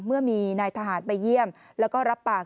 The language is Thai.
เมื่อมีนายทหารไปเยี่ยมแล้วก็รับปาก